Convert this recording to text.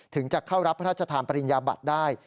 ถึงจะเข้ารับพระทัศน์ปริญญาบัตรได้